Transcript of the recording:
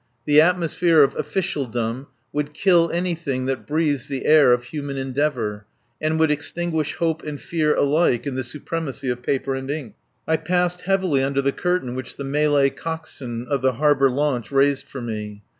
The atmosphere of officialdom would kill anything that breathes the air of human endeavour, would extinguish hope and fear alike in the supremacy of paper and ink. I passed heavily under the curtain which the Malay coxswain of the harbour launch raised for me.